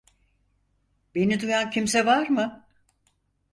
Beni duyan kimse var mı?